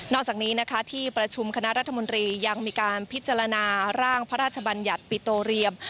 จากนี้นะคะที่ประชุมคณะรัฐมนตรียังมีการพิจารณาร่างพระราชบัญญัติปิโตเรียม